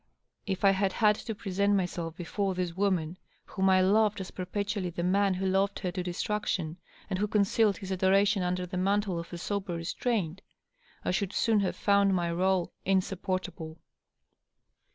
If I had had to present myself before this woman whom I loved as perpetually the man who loved her to distraction and who concealed his adoration under the mantle of a sober restraint, I should soon have found my rdle insupportable.